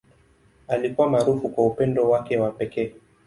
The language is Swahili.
Alikuwa maarufu kwa upendo wake wa pekee.